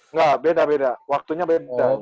nggak beda beda waktunya beda